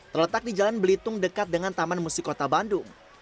terletak di jalan belitung dekat dengan taman musik kota bandung